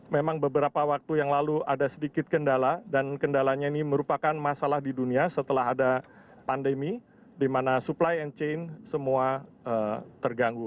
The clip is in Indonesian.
memang beberapa waktu yang lalu ada sedikit kendala dan kendalanya ini merupakan masalah di dunia setelah ada pandemi di mana supply and chain semua terganggu